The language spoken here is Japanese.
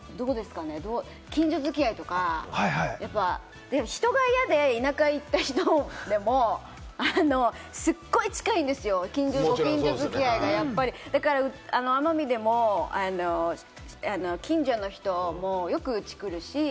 近所付き合いとか、人が嫌で田舎にいった人でも、すっごい近いんですよ、近所づきあいが奄美でも近所の人もよくうち来るし。